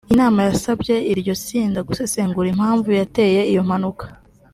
Inama yasabye iryo tsinda gusesengura impamvu yateye iyo mpanuka